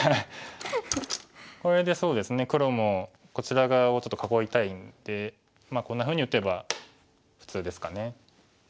これでそうですね黒もこちら側をちょっと囲いたいんでこんなふうに打てば普通ですかね。